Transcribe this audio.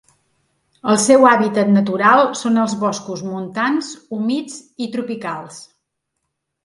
El seu hàbitat natural són els boscos montans humits i tropicals.